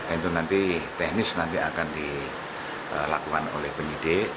itu nanti teknis nanti akan dilakukan oleh penyidik